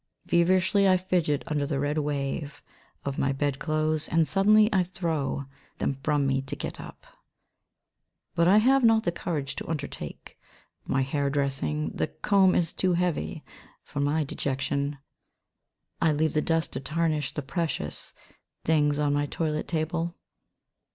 Feverishly I fidget under the red wave of my bed'clothes, and suddenly I throw them from me to get up. But I have not the courage to undertake my hair dressing, the comb is too heavy for my dejection. I leave the dust to tarnish the precious things on my toilet table.